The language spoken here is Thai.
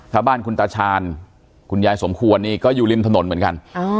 ถ้าบ้านคุณตาชาญคุณยายสมควรนี่ก็อยู่ริมถนนเหมือนกัน